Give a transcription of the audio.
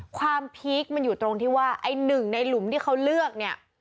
ความพลิกมันอยู่ตรงที่ว่าอัฮะนึงในหลุมที่เขาเลือกนี่